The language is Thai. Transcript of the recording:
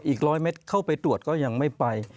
อีก๑๐๐เมตรเข้าไปตรวจก็ยังไม่ไป